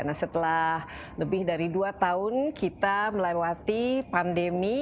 nah setelah lebih dari dua tahun kita melewati pandemi